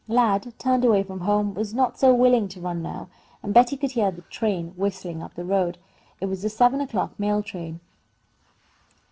Lad, turned away from home, was not so willing to run now, and Betty could hear the train whistling up the road. It was the seven o'clock mail train.